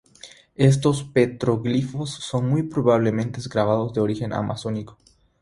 Estos petroglifos son muy probablemente grabados de origen amazónico.